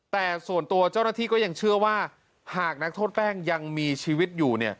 แต่ส่วนตัวเจ้าหน้าที่ก็ยังเชื่อว่าหากนักโทษแป้งยังมีชีวิตอยู่